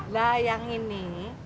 lah yang ini